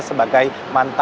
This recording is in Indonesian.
sebagai pengetahuan dia